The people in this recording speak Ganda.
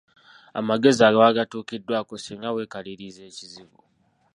Amagezi agaba gatuukiddwako singa weekaliriza ekizibu.